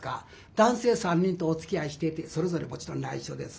男性３人とおつきあいしててそれぞれもちろん内緒です。